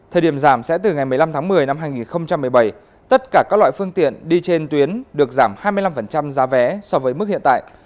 thời điểm giảm sẽ từ ngày một mươi năm tháng một mươi năm hai nghìn một mươi bảy tất cả các loại phương tiện đi trên tuyến được giảm hai mươi năm giá vé so với mức hiện tại